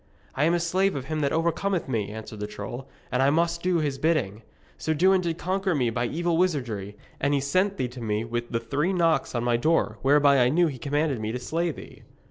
'I am the slave of him that overcometh me,' answered the troll, 'and I must do his bidding. Sir Dewin did conquer me by evil wizardry, and he sent thee to me with the three knocks on my door, whereby I knew he commanded me to slay thee.'